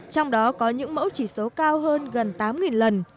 trong đó có những mẫu chỉ số cao hơn gần tám lần